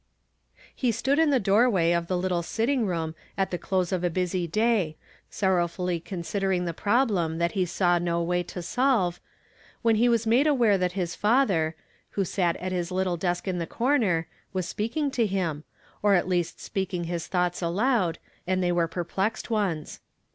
lie stood in the doorway of the little sittincr rooni at the close of a busy day, sorrowfully con sidering the problem that he saw no way to solve, wlien he was made aware that his father, who sat at his little desk in tlie corner, was speaking to him, or at least sjjeaking his thoughts aloud, and they were perplexed ones.